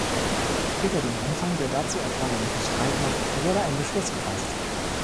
Über den Umfang der dazu erforderlichen Streitmacht wurde ein Beschluss gefasst.